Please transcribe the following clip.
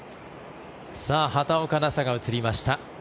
畑岡奈紗が映りました。